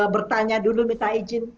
bertanya dulu minta izin